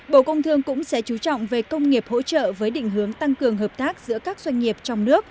bộ công thương cũng sẽ chú trọng về công nghiệp hỗ trợ với định hướng tăng cường hợp tác giữa các doanh nghiệp trong nước